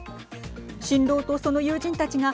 新郎とその友人たちが